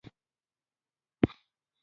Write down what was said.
زده کړې پورونه لري.